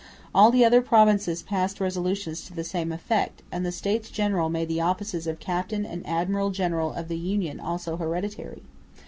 All the other provinces passed resolutions to the same effect; and the States General made the offices of captain and admiral general of the Union also hereditary.